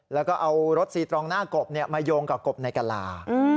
แล้วก็เอารถสี่ตรองหน้ากบเนี่ยมายงกับกบในกล่า